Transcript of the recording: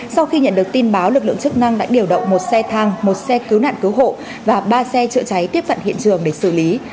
sau khi nhận được tin báo lực lượng chức năng đã điều động một xe thang một xe cứu nạn cứu hộ và ba xe chữa cháy tiếp cận hiện trường để xử lý